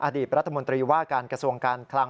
อดีตรัฐมนตรีว่าการกระทรวงการคลัง